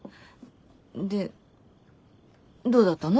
でどうだったの？